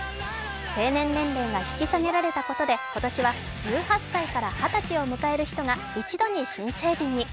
成年年齢が引き下げられたことで今年は１８歳から二十歳を迎える人が一度に新成人。